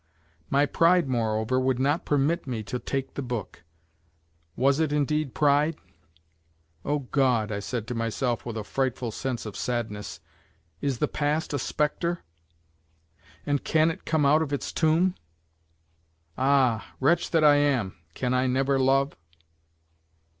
My pride, moreover, would not permit me to take the book; was it indeed pride? "O God!" I said to myself with a frightful sense of sadness, "is the past a specter? and can it come out of its tomb? Ah! wretch that I am, can I never love?"